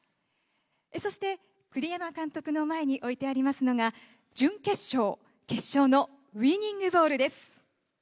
そして、栗山監督の前に置いてありますのが準決勝、決勝のウイニングボールです。